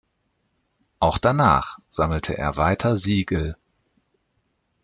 Auch danach sammelte er weiter Siegel.